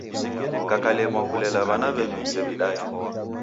Mkakalemwa kulela w'ana w'enyu musew'idaghe.